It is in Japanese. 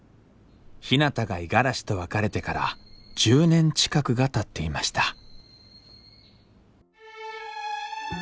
ひなたが五十嵐と別れてから１０年近くがたっていました